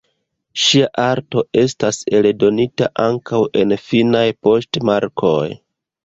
Ŝia arto estas eldonita ankaŭ en finnaj poŝtmarkoj.